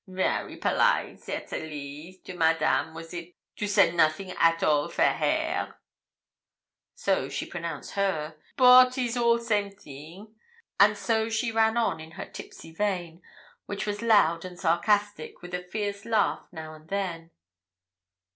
'Vary polite, certally, to Madame was it to send nothing at all for hair' (so she pronounced 'her'); 'bote is all same thing.' And so she ran on in her tipsy vein, which was loud and sarcastic, with a fierce laugh now and then.